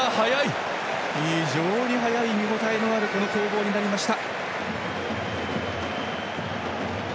非常に速い見応えのある攻防になりました。